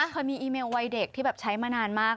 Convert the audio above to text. เคยมีอีเมลวัยเด็กที่แบบใช้มานานมาก